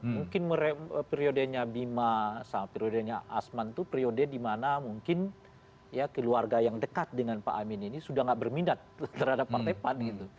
mungkin periodenya bima sama periodenya asman itu periode dimana mungkin ya keluarga yang dekat dengan pak amin ini sudah tidak berminat terhadap partai pan gitu